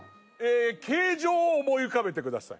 形状を思い浮かべてください。